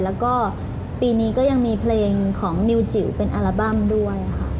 แล้วก็ปีนี้ก็ยังมีเพลงของนิวจิ๋วเป็นอัลบั้มด้วยค่ะ